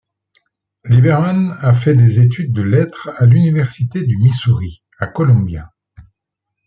Liberman a fait des études de lettres à l'Université du Missouri à Columbia.